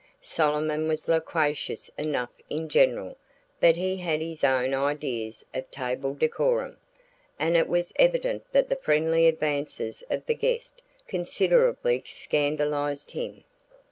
Solomon was loquacious enough in general, but he had his own ideas of table decorum, and it was evident that the friendly advances of my guest considerably scandalized him.